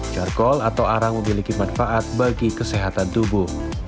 jarkol atau arang memiliki manfaat bagi kesehatan tubuh